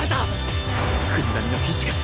國神のフィジカル！